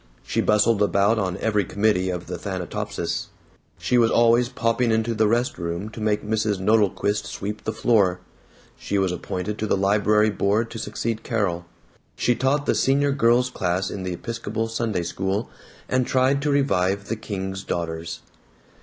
She bustled about on every committee of the Thanatopsis; she was always popping into the rest room to make Mrs. Nodelquist sweep the floor; she was appointed to the library board to succeed Carol; she taught the Senior Girls' Class in the Episcopal Sunday School, and tried to revive the King's Daughters.